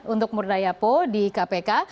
untuk murdaya po di kpk